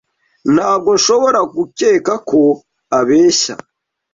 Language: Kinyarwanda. Ntabwo nshobora gukeka ko abeshya.